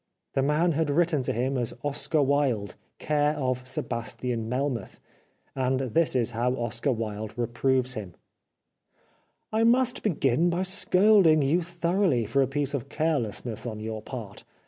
The man had written to him as " Oscar Wilde," " Care of Sebastian Melmoth," and this is how Oscar Wilde reproves him : "I must begin by scolding you thoroughly for a piece of carelessness on your part.